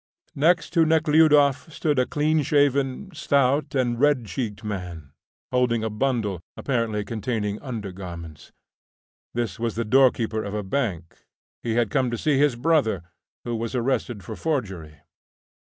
Next to Nekhludoff stood a clean shaven, stout, and red cheeked man, holding a bundle, apparently containing under garments. This was the doorkeeper of a bank; he had come to see his brother, who was arrested for forgery.